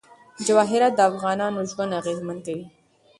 جواهرات د افغانانو ژوند اغېزمن کوي.